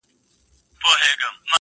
زلزله به یې په کور کي د دښمن سي،